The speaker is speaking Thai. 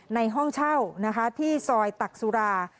ในห้องเช่านะคะที่ซอยตักสุรา